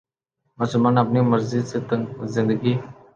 مسلمان اپنی مرضی سے زندگی